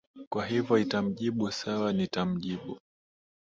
kwa hivo itamjibu sawa nitamjibu